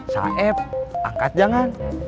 saeb angkat jangan